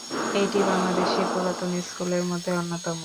এটি বাংলাদেশের পুরাতন স্কুলের মধ্যে অন্যতম।